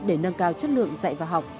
để nâng cao chất lượng dạy và học